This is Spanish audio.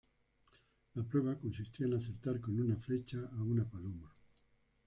La prueba consistía en acertar con una flecha a una paloma.